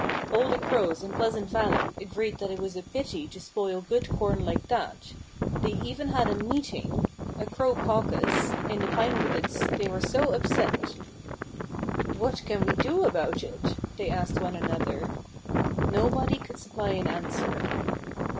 All the crows in Pleasant Valley agreed that it was a pity to spoil good corn like that. They even had a meeting a crow caucus in the pine woods, they were so upset. "What can we do about it?" they asked one another. Nobody could supply an answer.